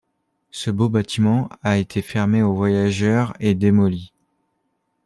Ce beau bâtiment a été fermé aux voyageurs et démoli.